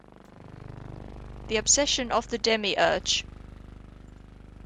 The Obsession of the Demiurge.